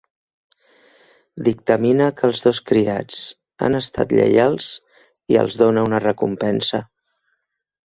Dictamina que els dos criats han estat lleials i els dona una recompensa.